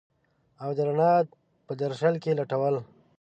او د رڼا په درشل کي لټول